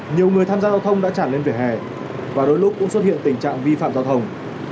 nhiều người tham gia giao thông đã tràn lên vỉa hè và đôi lúc cũng xuất hiện tình trạng vi phạm giao thông